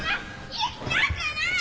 行きたくない！